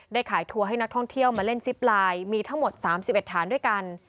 ขายทัวร์ให้นักท่องเที่ยวมาเล่นซิปไลน์มีทั้งหมด๓๑ฐานด้วยกัน